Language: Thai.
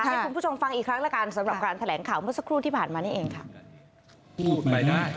ให้คุณผู้ชมฟังอีกครั้งแล้วกันสำหรับการแถลงข่าวเมื่อสักครู่ที่ผ่านมานี่เองค่ะ